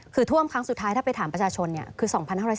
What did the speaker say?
คือท่วมครั้งสุดท้ายถ้าไปถามประชาชนคือ๒๕๔